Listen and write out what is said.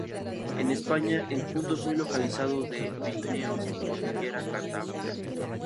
En España en puntos muy localizados de los Pirineos y Cordillera Cantábrica.